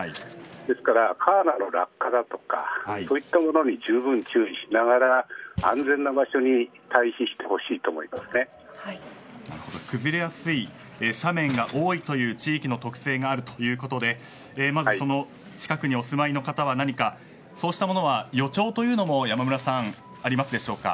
ですから瓦の落下だとかそういったものにじゅうぶん注意しながら安全な場所になるほど、崩れやすい斜面が多いという地域の特徴があるということでまず、その近くにお住まいの方は何かそうしたものは予兆というのもヤマムラさんありますでしょうか。